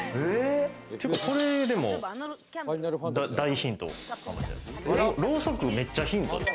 これでも大ヒント。